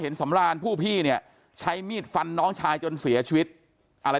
สำรานผู้พี่เนี่ยใช้มีดฟันน้องชายจนเสียชีวิตอะไร